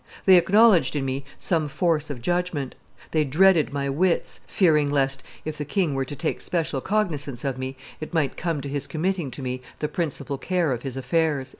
They acknowledged in me some force of judgment; they dreaded my wits, fearing lest, if the king were to take special cognizance of me, it might come to his committing to me the principal care of his affairs."